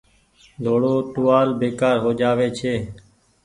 ۮوڙو ٽوهآل بيڪآر هو جآ وي ڇي۔